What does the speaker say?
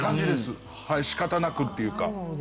仕方なくっていうか。